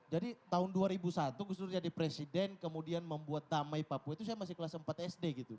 jadi tahun dua ribu satu gus dur jadi presiden kemudian membuat damai papua itu saya masih kelas empat sd